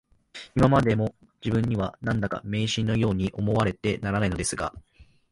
いまでも自分には、何だか迷信のように思われてならないのですが